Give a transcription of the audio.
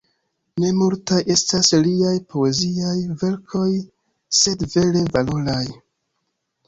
Ne multaj estas liaj poeziaj verkoj, sed vere valoraj.